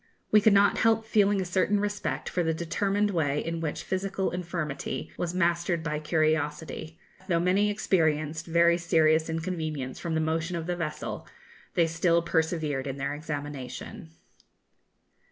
We could not help feeling a certain respect for the determined way in which physical infirmity was mastered by curiosity for, though many experienced very serious inconvenience from the motion of the vessel, they still persevered in their examination.